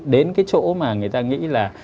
đến cái chỗ mà người ta nghĩ là